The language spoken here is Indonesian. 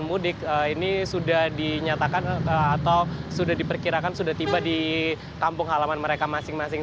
mudik ini sudah dinyatakan atau sudah diperkirakan sudah tiba di kampung halaman mereka masing masing